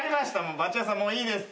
バチェ男さんもういいです。